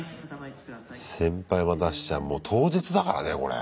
先輩待たせちゃもう当日だからねこれ。